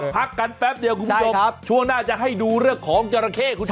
พักกันแป๊บเดียวคุณผู้ชมช่วงหน้าจะให้ดูเรื่องของจราเข้คุณผู้ชม